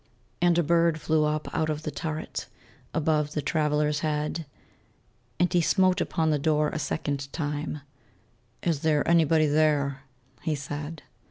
And a bird flew up out of the turret, Above the traveler's head: And he smote upon the door a second time; "Is there anybody there?" he said.